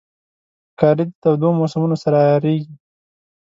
ښکاري د تودو موسمونو سره عیارېږي.